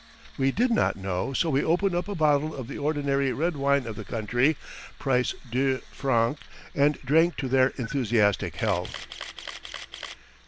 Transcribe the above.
We did not know, so we opened up a bottle of the ordinary red wine of the country, price deux francs, and drank to their enthusiastic health.